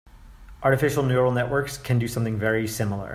Artificial neural networks can do something very similar.